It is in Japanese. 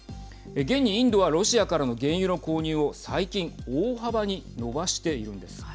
現に、インドはロシアからの原油の購入を最近大幅に伸ばしているんです。